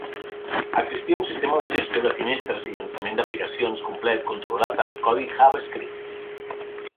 Existia un sistema de gestió de finestres i llançament de aplicacions complet controlat per codi JavaScript.